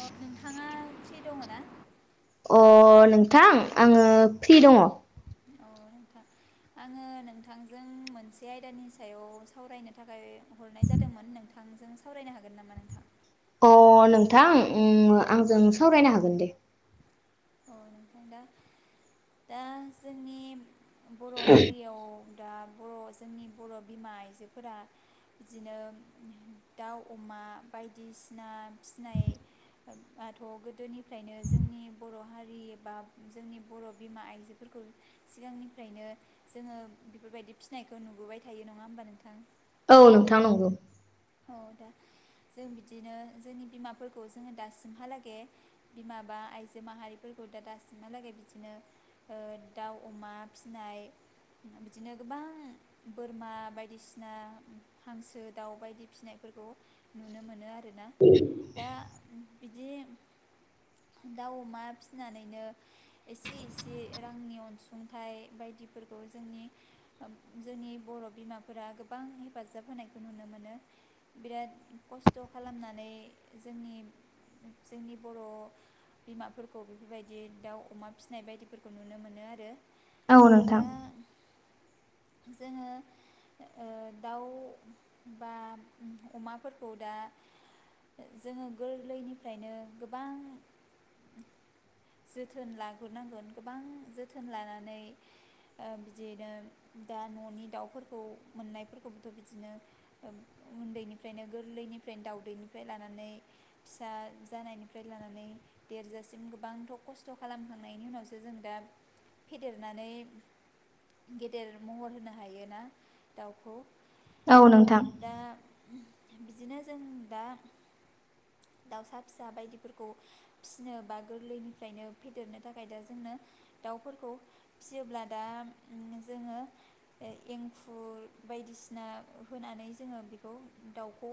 औ नोंथाङा फ्रि दङ ना अ नोंथां आङो फ्रि दङ अ नोंथां आङो नोंथांजों मोनसे आयदानि सायाव सावरायनो थाखाय हरनाय जादोंमोन नोंथांजों सावरायनो हागोन नामा नोंथां अ नोंथां ओम आंजों सावरायनो हागोन दे औ नोंथां दा दा जोंनि बर' हारियाव दा बर' जोंनि बर' बिमा आइजोफोरा बिदिनो दाउ अमा बायदिसिना फिसिनायाथ' गोदोनिफ्रायनो जोंनि बर' हारि एबा जोंनि बर' बिमा आइजोफोरखौ सिगांनिफ्रायनो जोङो बेफोरबायदि फिसिनायखौ नुबोबाय थायो नङा होमबा नोंथां औ नोंथां नंगौ औ दा जों बिदिनो जोंनि बिमाफोरखौ जोङो दासिमहालागै बिमा बा आइजो माहारिफोरखौ दा दासिमहालागै बिदिनो ओ दाउ अमा फिसिनाय बिदिनो गोबां बोरमा बायदिसिना हांसो दाउ बायदि फिसिनायफोरखौ नुनो मोनो आरो ना दा बिदि दाउ अमा फिसिनानैनो एसे एसे रांनि अनसुंथाइ बायदिफोरखौ जोंनि जोंनि बर' बिमाफोरा गोबां हेफाजाब होनायखौ नुनो मोनो बिराद खस्थ' खालामनानै जोंनि जोंनि बर' बिमाफोरखौ बेफोरबायदि दाउ अमा फिसिनाय बायदिफोरखौ नुनो मोनो आरो औ नोंथां दा जोङो ओ दाउ बा अमाफोरखौ दा जोङो गोरलैनिफ्रायनो गोबां जोथोन लाग्रोनांगोन गोबां जोथोन लानानै ओ बिदिनो दा न'नि दाउफोरखौ मोननायफोरखौबोथ' बिदिनो उन्दैनिफ्रायनो गोरलैनिफ्रायनो दाउदैनिफ्राय लानानै फिसा जानायनिफ्राय लानानै देरजासिम गोबांथ' खस्थ' खालामखांनायनि उनावसो जों दा फेदेरनानै गेदेर महर होनो हायोना दाउखौ औ नोंथां दा बिदिनो जों दा दाउसा फिसा बायदिफोरखौ फिसिनो बा गोरलैनिफ्रायनो फेदेरनो थाखाय दा जोंनो दाउफोरखौ फिसियोब्ला दा जोङो एंखुर बायदिसिना होनानै जोङो बेखौ दाउखौ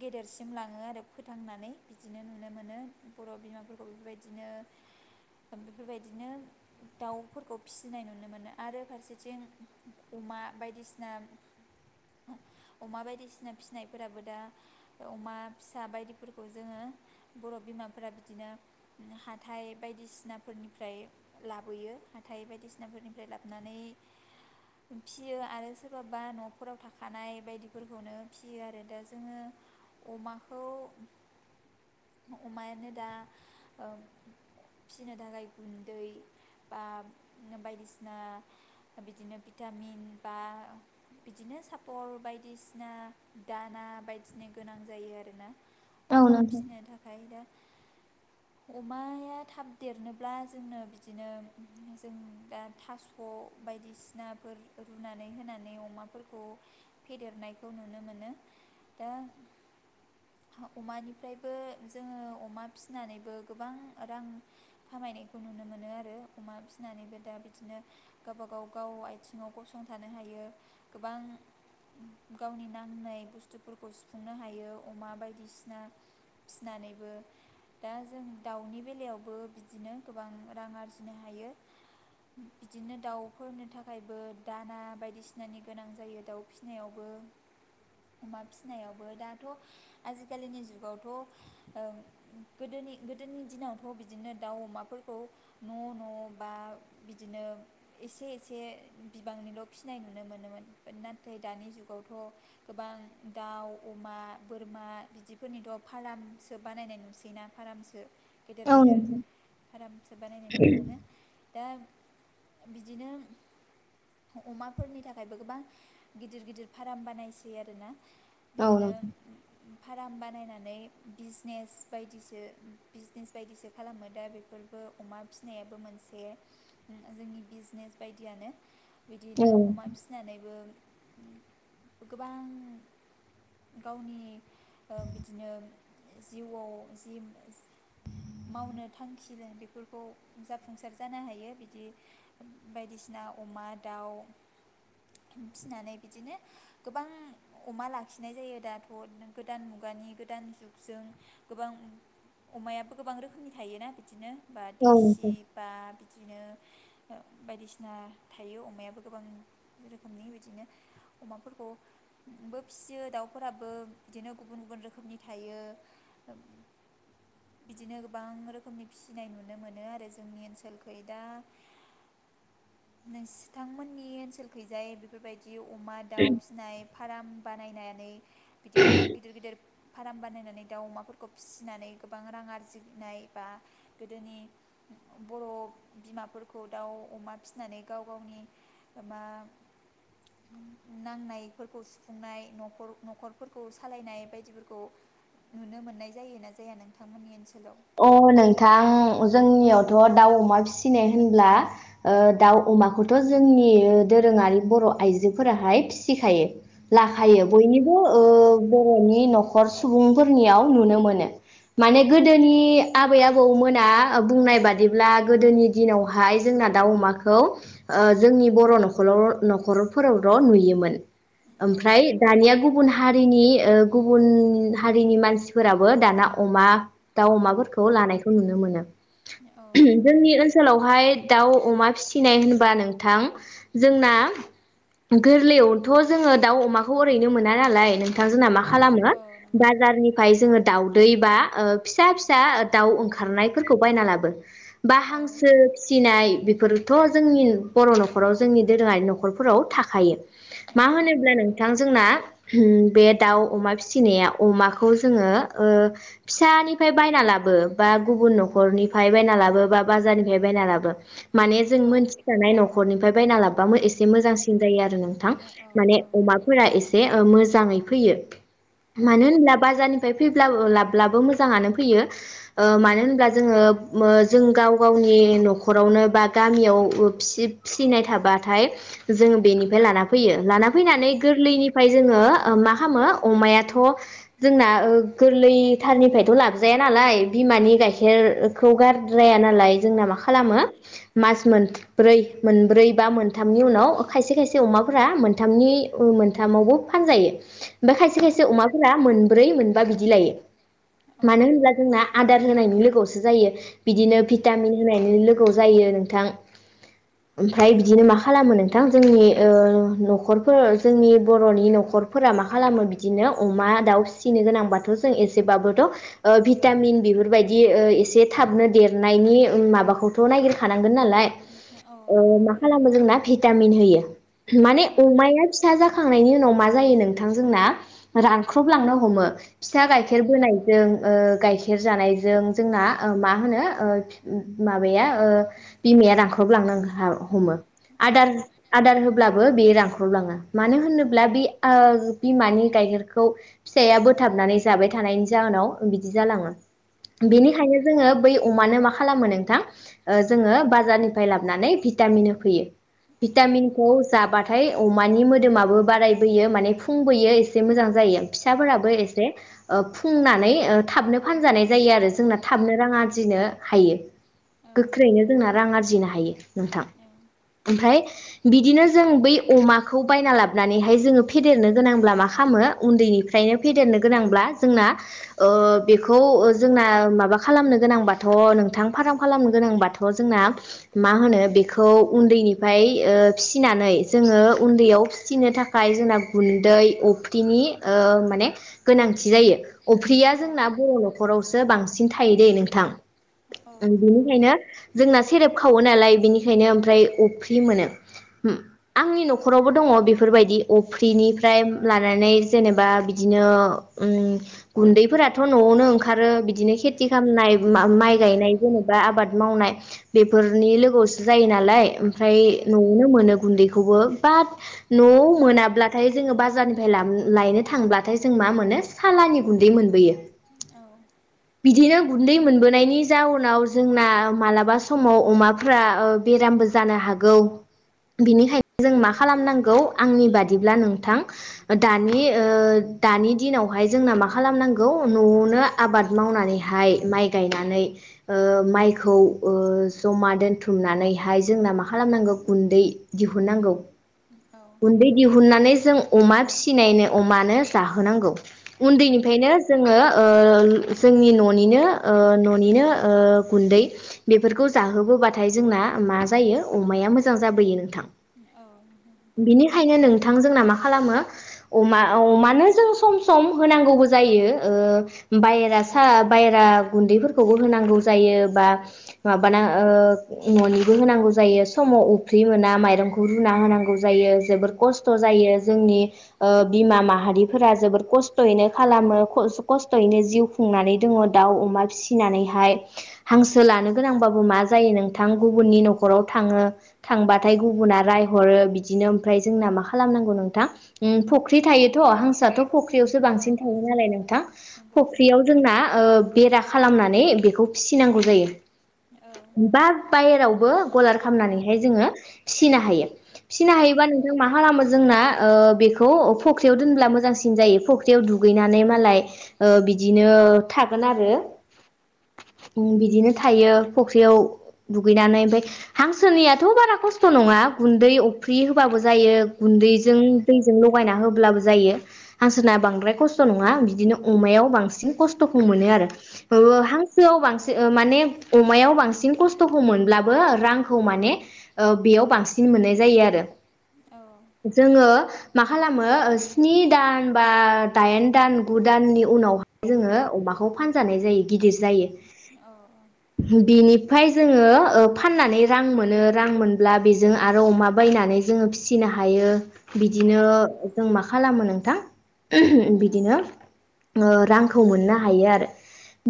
गेदेरसिम लाङो आरो फोथांनानै बिदिनो नुनो मोनो बर' बिमाफोरखौ बेफोरबायदिनो बेफोरबायदिनो दाउफोरखौ फिसिनाय नुनो मोनो आरो फारसेथिं अमा बायदिसिना अमा बायदिसिना फिसिनायफोराबो दा अमा फिसा बायदिफोरखौ जोङो बर' बिमाफोरा बिदिनो हाथाय बायदिसिनाफोरनिफ्राय लाबोयो हाथाइ बायदिसिनाफोरनिफ्राय लाबोनानै फियो आरो सोरबाबा न'फोराव था खानाय बायदिफोरखौनो फिसियो आरो दा जोङो अमाखौ अमायानो दा ओ फिसिनो थाखाय गुन्दै बा बायदिसिना बिदिनो भिटामिन बा बिदिनो साफ फल बायदिसिना दाना बायदिनो गोनां जायो आरोना। औ अमा नोंथां फिसिनो थाखाय दा अमाया थाब देरनोब्ला जोंनो बिदिनो जों दा थास' बायदिसिनाफोर रुनानै होनानै अमाफोरखौ फेदेरनायखौ नुनो मोनो दा अमानिफ्रायबो जोङो अमा फिसिनानैबो गोबां रां खामायनायखौ नुनो मोनो आरो अमा फिनानैबो दा बिदिनो गावबा गाव गाव आथिङाव गसंथानो हायो गोबां गावनि नांनाय बुस्थुफोरखौ सुफुंनो हायो अमा बायदिसिना फिसिनानैबो दा जों दाउनि बेलायावबो बिदिनो गोबां रां आरजिनो हायो बिदिनो दाउफोरनि थाखायबो दाना बायदिसिनानि गोनां जायो दाउ फो फिसिनायावबो अमा फिसिनायावबो दाथ' आजिखालिनि जुगावथ' ओ गोदोनि गोदोनि दिनावथ' बिदिनो दाउ अमाफोरखौ न' न' बा बिदिनो एसे एसे बिबांनिल' फिसिनाय नुनो मोनोमोन बाद ना थाइ दानि जुगावथ' गोबां दाउ अमा बोरमा बिदिफोरनिथ' फारामसो बानायनाय नुसै ना फारामसो। गेदेर औ गेदेर नोंथां फारामसो बानायनाय नुनो मोनो। दा बिदिनो अमाफोरनि थाखायबो गोबां गिदिर गिदिर फाराम बानायसै आरो ना। औ बिदिनो नोंथां फाराम बानायनानै बिजनेस बायदिसो बिजनेस बायदिसो खालामो दा बेफोरबो अमा फिनायाबो मोनसे ओ जोंनि बिजनेस बायदियानो। बिदिनो औ अमा फिसिनानैबो। गोबां गावनि ओ बिदिनो जिउआव जि मावनो थांखिजों बेफोरखौ जाफुंसार जानो हायो बिदि बायदिसिना अमा दाउ फिसिनानै बिदिनो गोबां अमा लाखिनाय जायो दाथ' गोदान मुगानि गोदान जुगजों गोबां अमायाबो गोबां रोखोमनि थायोना बिदिनो। बा औ देसि नोंथां बा बिदिनो बायदिसिना थायो अमायाबो गोबां रोखोमनि बिदिनो। अमाफोरखौबो फिसियो दाउफोराबो बिदिनो गुबुन गुबुन रोखोमनि थायो बिदिनो गोबां रोखोमनि फिसिनाय नुनो मोनो आरो जोंनि ओनसोलखै दा नोंस थांमोननि ओनसोलखैजाय बेफोरबायदि दि अमा दाउ फिसिनाय फाराम बानायनानै बिदि फाराम गिदिर गिदिर फाराम बानायनानै दाउ अमाफोरखौ फिसिनानै गोबां रां आरजिनाय बा गोदोनि बर' बिमाफोरखौ दाउ अमा फिसिनानै गाव गावनि मा नांनायफोरखौ सुफुंनाय न'खर न'खरफोरखौ सालायनाय बायदिफोरखौ नुनो मोननाय जायो ना जाया नोंथांमोननि ओनसो अ नोंथां जोंनियावथ' दाउ अमा फिसिनाय होनब्ला ओ दाउ अमाखौथ' जोंनि दोरोङारि बर' आइजोफोराहाय फिसिखायो। औ लाखायो बयनिबो ओ औ बर'नि न'ख खर सुबुंफोरनियाव नुनो मोनो माने गोदो गोदोनि आबै आबौमोना बुंनाय बादिब्ला गोदोनि दिनावहाय जोंना दाउ अमाखौ ओ जोंनि बर' नखर न'खरफोरावल' नुयोमोन ओमफ्राय दानिया गुबुन हारिनि ओ गुबुन हारिनि मानसिफोराबो दाना अमा दाउ अमाफोरखौ लानायखौ नुनो मोनो। औ नंगौ जोंनि ओनसोलावहाय दाउ अमा फिसिनाय होनबा नोंथां जोंना गोरलैयावथ' जोङो दाउ अमाखौ ओरैनो मोना नालाय नों थां जोंना मा खालामो औ नंगौ बाजारनिफ्राय जोङो दाउदै बा ओ फिसा फिसा दाउ ओंखारनायफोरखौ बायना लाबो बा औ हांसो फिसिनाय बेफोरथ' जोंनि बर' न'खराव जोंनि दोरोङारि न'खरफोराव थाखायो। औ नंगौ औ नंगौ औ मा होनोब्ला नोंथां जोंना ओम बे दाउ अमा फिसिनाया अमाखौ जोङो ओ फिसानि फाय बायना लाबो बा गुबुन न'खरनिफ्राय बायना लाबो बा बाजारनिफ्राय बायना लाबो। माने जों मोनथिजानाय न'खरनिफ्राय बायना लाब बामो एसे मोजां सिन जायो आरो नोंथां माने अमाफोरा एसे ओ मोज जाङै फैयो। मानो होनब्ला बाजार निफाय फैब्लाबो लाब्लाबो मोज जाङानो फैयो। ओ मानो होनब्ला जोङो मो जों गाव गावनि न'खरावनो बा गामियाव ओ फि-फिसिनाय थाबाथाय जोङो बेनिफ्राय लाना फैयो लाना फैनानै गोरलैनिफ्राय जोङो‌ ओ मा खामो अमायाथ' जोंना ओ गोरलैथारनिफाय थ' लाबजाया नालाय बिमानि गाइखेरखौ गारद्राया नालाय जोंना मा खालामो मास मोनब्रै मोनब्रै बा मोनथामनि उनाव खायसे खायसे अमाफोरा मोनथामनि मोनथामावबो फानजायो। ओमफाय खायसे खायसे अमाफोरा मोनब्रै मोन बा बिदि लायो। मानो होनब्ला जोंना आदार होनायनि लोगोआवसो जायो। बिदिनो भिटामिन होनायनि लो गौ जायो नोंथां। ओमफाय बिदिनो मा खालामो नोंथां जोंनि ओ न'खरफोर जोंनि बर'नि न'खरफोरा मा खालामो बिदिनो अमा, दाउ फिसिनो गोनांबाथ' जों एसेबाबोथ' ओ भिटामिन बेफोरबायदि ओ एसे थाबनो देरनायनि ओ माबाखौथ' नायगिरखा नां गोन नालाय ओ मा खालामो जोंना भि टामिन होयो। माने अमाया फिसा जाखां खांनायनि उनाव मा जायो नोंथां जोंना रानख्रबलांनो हमो। फिसा नंगौ गाइखेर बोनाय ओ गाइखेर जानायजों जोंना ओ मा होनो ओ उम माबाया ओ बिमाया रांख्रबलां ओंखार हमो आदार आदार होब्ला बो बियो रानख्रबलाङो। मानो होनोब्ला बे आ बिमानि गाइखेरखौ फिसाया बोथाबनानै जाबाय थानायनि जाहोनाव बिदि जालाङो। बेनिखायनो जोङो बै अमानो मा खालामो नोंथां। जोङो बाजारनिफ्राय लाबोनानै भिटामिन होफैयो। भिटामिनखौ जाबाथाय अमानि मोदोमाबो बारायबोयो माने फुंबोयो एसे मोजां जायो। फिसाफोराबो एसे ओ फु फुंनानै ओ थाबनो फानजानाय जायो आरो जोंना थाबनो राङा जिनो हायो। गोख्रैनो जोंना रां आरजिना हायो। नोंथां ओमफ्राय बिदिनो जों बै अमाखौ बायना लाबानैहाय जोङो फेदेरनो गोनांब्ला मा खालामो उन्दैनिफ्रायनो फेदेरनो गोनांब्ला जोंना ओ बेखौ जोंना माबा खालामनो गोनांबाथ' नोंथां फार्म खालामनो गोनांबाथ' जोंना मा होनो बेखौ उन्दैनिफ्राय ओ फिसिनानै जोङो उन्दैयाव फिसिनो थाखाय जोंना गुन्दै अफ्रिनि माने ओ गोनांथि जायो। [inaudible] अफ्रिया जोंना बर' न'खरावसो सो बांसिन थायो दे नोंथां। ओं बेनिखायनो जोंना सेरेब खावो नालाय बेनिखायनो ओमफ्राय अफ्रि मोनो आंनि न'खरावबो दङ बेफोरबायदि अफ्रिनिफ्राय लानानै जेनेबा बिदिनो उम गुन्दैफोराथ' न'आवनो ओंखारो बिदि बिदिनो खेथि खालामनाय माइ गायनाय जेनेबा आबाद मावनाय। बेफोरनि लोगोआवसो जायो नालाय ओमफ्राय न'आवनो मोनो गुन्दैखौ। खौबो बात न' मोनाब्लाथाय जोङो बाजारनिफ्राय लायनो थांब्लाथाय जों मा मोनो सालानि उन्दै मोनबोयो। औ [inaudible] बिदिनो गुन्दै मोनबोनायनि जाउनाव जोंना मालाबा समाव अमाफोरा ओ बेरामबो जानो हागौ बिनिखायनो जों मा खालामनांगौ आंनि बादिब्ला नोंथां दानि ओ दानि दिनावहाय जोंना मा खालामनांगौ न'आवनो आबाद आबाद मावनानैहाय माइ गायनानै ओ माइखौ ओ जमा दोनथुमनानैहाय जोंना मा खालामनांगौ गुन्दै दिहुननांगौ। गुन्दै दिहुननानै जों अमा फिसिनायनो अमानो जाहोनांगौ। उन्दैनिफ्रायनो जोङो ओ जोंनि न'निनो ओ न'निनो ओ गुन्दै बेफोरखौ जाहोबोबाथाय जोंना मा जायो अमाया मोजां जाबोयो नोंथां। बिनिखायनो नोंथांजोंना मा खालामो अमा अमानो जों सम सम होनांगौबो जायो ओ भायरास सा बायेरा गुन्दैफोरखौबो होनांगौ जायो बा माबाना ओ न'निबो होनांगौ जायो समाव अफ्रि मोना माइरंखौ रुना होनांगौ जायो जोबोर खस्थ' जायो जोंनि ओ बिमा माहारिफोरा जोबोर खस्थ'यैनो खालामो खस्थ'यैनो जिउ फुंनानै दङ दाउ अमा फिसिनानैहाय हांसो लानो गोनांबाबो मा जायो नोंथां गुबुननि न'खराव थाङो थांबाथाय गुबुना रायहरो बिदिनो मफ्राय जोंना मा खालामनांगौ नोंथां उम। फुख्रि थायोथ' हांसोआथ' फुख्रियावसो बांसिन थायो नालाय नोंथां फख्रि जोंना ओ बेरा खालामनानै बेखौ फिसिनांगौ जायो। बा बायेराव बो गलार खालामनानैहाय जोङो फिनो हायो। फिसिनो हायोबा नोंथां मा खालामो जोंना ओ बेखौ फख्रियाव दोनब्ला मोजांसिन जायो फख्रियाव दुगैनानै मालाय ओ बि बिदिनो थागोन आरो बिदिनो थायो फुख्रियाव दुगैनानै ओमफ्राय हांसोनियाथ' बारा खस्थ' नङा गुन्दै अफ्रि होबाबो जायो। गुन्दैजों दैजों लगायना होब ब्लाबो जायो हांस बांद्राय खस्थ' नङा बिदिनो अमायाव बांसिन बांसिन खस्थ'खौ मोनो आरो। ओ हांसोआव बांसिन ओ माने अमायाव बांसिन खस्थ'खौ मोनब्लाबो रांखौ माने ओ बेयाव बांसिन मोननाय जायो आरो जोङो मा खालामो स्नि दान बा दाइन दान गु दाननि उनाव जोङो अमाखौ फानजानाय जायो गिदिर जायो। औ औ। बिनिफ्राय जोङो ओ फाननानै रां मोनो रां मोनब्ला बेजों आरो अमा बायनानै जोङो फिसिनो हायो। बिदिनो जों माख खालामो नोंथां बिदिनो ओ रांखौ मोननो हायो आरो।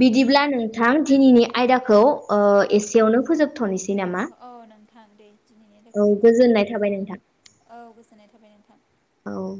बिदिब्ला नोंथां दिनैनि आयदाखौ ओ एसेयावनो फोजोबथ'नोसै नामा औ नोंथां दे दिनैनि औ आयदाखौ बेखिनियानो गोजोननाय फोजोबनोसै थाबाय नोंथां औ औ गोजोननाय थाबाय नोंथां। औ